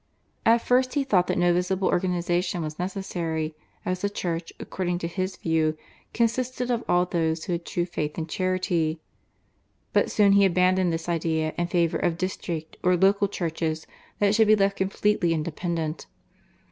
At first he thought that no visible organisation was necessary, as the Church, according to his view, consisted of all those who had true faith and charity. But soon he abandoned this idea in favour of district or local churches that should be left completely independent.